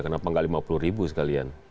kenapa nggak lima puluh ribu sekalian